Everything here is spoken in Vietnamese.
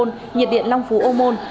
nhiệt điện long phú ô môn